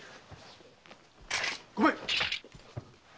ごめん！